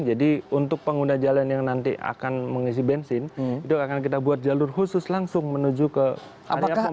jadi untuk pengguna jalan yang nanti akan mengisi bensin itu akan kita buat jalur khusus langsung menuju ke area pembenin